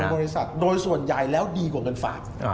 บริษัทโดยส่วนใหญ่แล้วดีกว่าเงินฝาก